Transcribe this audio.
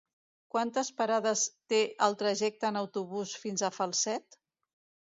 Quantes parades té el trajecte en autobús fins a Falset?